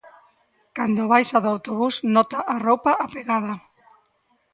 Cando baixa do autobús nota a roupa apegada.